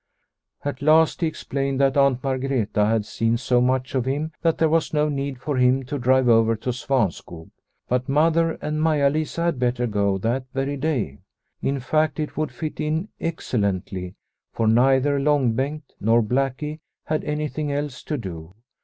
At last he explained that Aunt Margreta had seen so much of him that there was no need for him to drive over to Svanskog. But Mother and Maia Lisa had better go that very day ; in fact, it would fit in excellently, for neither Long Bengt nor Blackie had any thing else to do.